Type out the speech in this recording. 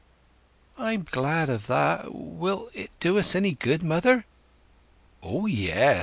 "I'm glad of that. Will it do us any good, mother?" "O yes!